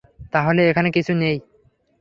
তাহলে এখানে কিছু নেই?